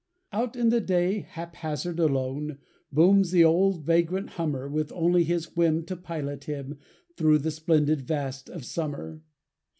Out in the day, hap hazard, alone, Booms the old vagrant hummer, With only his whim to pilot him Through the splendid vast of summer.